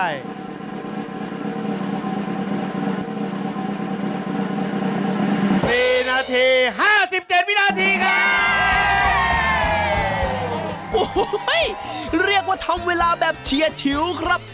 โอ้โหเรียกว่าทำเวลาแบบเฉียดชิวครับ